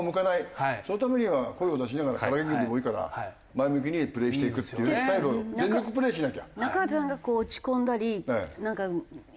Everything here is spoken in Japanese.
そのためには声を出しながら空元気でもいいから前向きにプレーしていくっていうスタイルを全力プレーしなきゃ。